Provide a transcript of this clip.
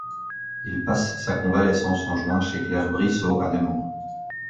Il passe sa convalescence en juin chez Claire Brissaud, à Nemours.